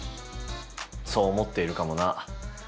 そう思っているかもな。